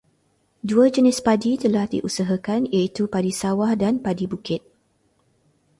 Dua jenis padi telah diusahakan iaitu padi sawah dan padi bukit.